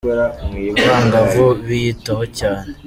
Abangavu biyitaho cyane.